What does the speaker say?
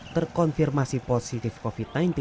terkonfirmasi positif covid sembilan belas